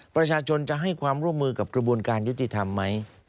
ประชาชนจะให้ความร่วมมือกับกระบวนการยุติธรรมไหม